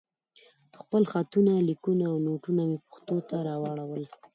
خپل خطونه، ليکونه او نوټونه مې پښتو ته راواړول.